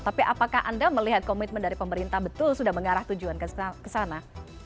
tapi apakah anda melihat komitmen dari pemerintah betul sudah mengarah tujuan ke sana